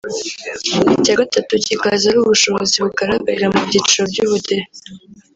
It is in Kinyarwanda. icya gatatu kikaza ari ubushobozi bugaragarira mu byiciro by’ubudehe